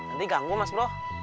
nanti ganggu mas bro